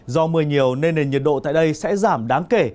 do mưa nhiều nên nền nhiệt độ tại đây sẽ giảm đáng kể